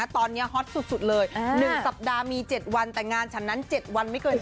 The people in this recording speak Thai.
ตอนนี้ฮอตสุดเลย๑สัปดาห์มี๗วันแต่งานฉันนั้น๗วันไม่เกิน๑๐